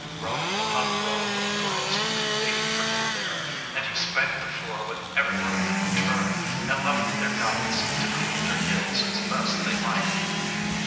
Row upon row of girls would be waiting for him there, and he spanked the floor with every one of them in turn, and left their gallants to cool their heels as best they might.